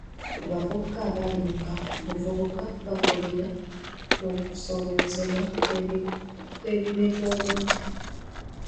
Abavubuka abali mu kaabuvubuka bakulira mu kusoomoozebwa kw'ebibeetoolodde